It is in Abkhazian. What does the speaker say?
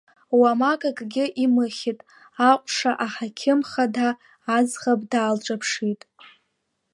Уамак акгьы имыхьит, аҟәша аҳақьым хада аӡӷаб даалҿаԥшит.